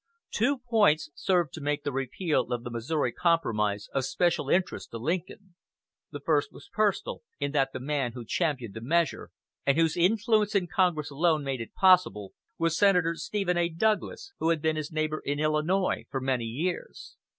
Two points served to make the repeal of the Missouri Compromise of special interest to Lincoln. The first was personal, in that the man who championed the measure, and whose influence in Congress alone made it possible, was Senator Stephen A. Douglas, who had been his neighbor in Illinois for many years.